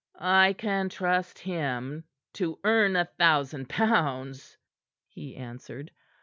"I can trust him to earn a thousand pounds," he answered.